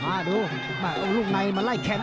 มาดูใขมันมาเหล่าลูกในไล่แขน